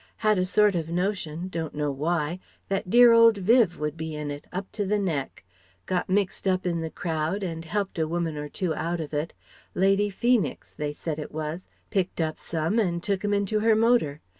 Had a sort of notion, don't know why, that dear old Viv would be in it, up to the neck. Got mixed up in the crowd and helped a woman or two out of it. Lady Feenix they said it was picked up some and took 'em into her motor.